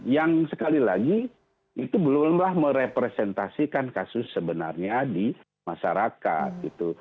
yang sekali lagi itu belumlah merepresentasikan kasus sebenarnya di masyarakat gitu